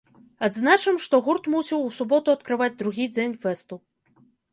Адзначым, што гурт мусіў у суботу адкрываць другі дзень фэсту.